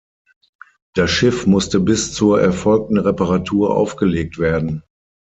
Das Schiff musste bis zur erfolgten Reparatur aufgelegt werden.